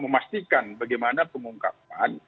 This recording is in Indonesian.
memastikan bagaimana pengungkapan